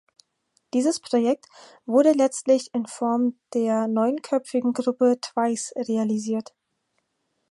Dieses Projekt wurde letztlich in Form der neunköpfigen Gruppe Twice realisiert.